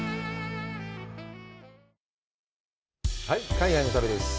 海外の旅です。